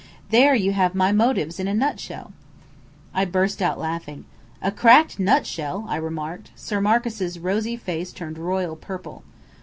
There you have my motives in a nutshell!" I burst out laughing. "A cracked nutshell," I remarked. Sir Marcus' rosy face turned royal purple.